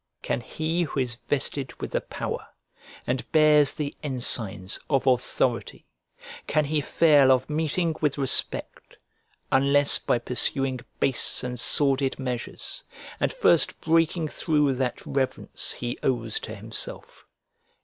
Can he who is vested with the power and bears the ensigns of authority, can he fail of meeting with respect, unless by pursuing base and sordid measures, and first breaking through that reverence he owes to himself?